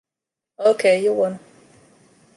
Okay, you won.